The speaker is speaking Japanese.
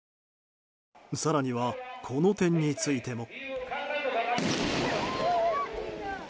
更には、この点についても。